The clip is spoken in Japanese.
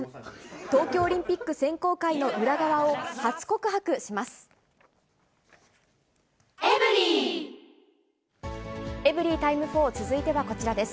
東京オリンピック選考会の裏側を初告白します。